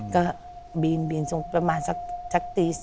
ก็บินประมาณสักตี๔